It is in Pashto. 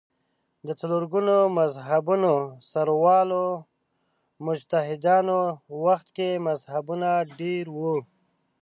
د څلور ګونو مذهبونو سروالو مجتهدانو وخت کې مذهبونه ډېر وو